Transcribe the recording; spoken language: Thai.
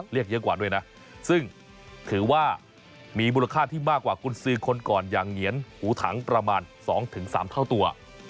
เรียกเยอะกว่าด้วยนะซึ่งถือว่ามีมูลค่าที่มากกว่ากุญสือคนก่อนอย่างเหงียนหูถังประมาณ๒๓เท่าตัว